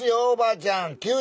おばあちゃん。